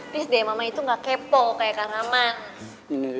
piss deh mama itu gak kepo kayak kak raman